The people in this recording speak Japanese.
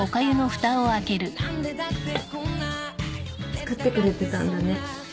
作ってくれてたんだね。